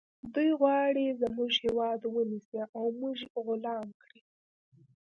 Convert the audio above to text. دوی غواړي زموږ هیواد ونیسي او موږ غلام کړي